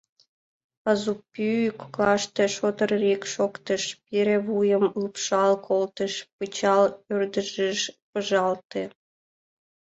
Азупӱй коклаште шотыр-рик шоктыш — пире вуйым лупшал колтыш, пычал ӧрдыжыш пыжалте.